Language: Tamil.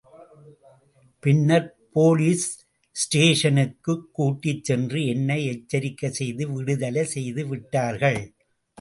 பின்னர் போலீஸ் ஸ்டேசனுக்கு கூட்டிச் சென்று என்னை எச்சரிக்கை செய்து விடுதலை செய்து விட்டார்கள்.